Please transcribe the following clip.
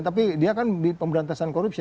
tapi dia kan di pemberantasan korupsi